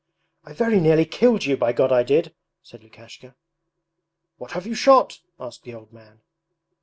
'I very nearly killed you, by God I did!' said Lukashka. 'What have you shot?' asked the old man.